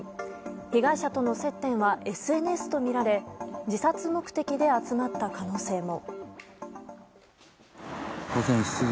被害者との接点はＳＮＳとみられ自殺目的で集まった可能性も。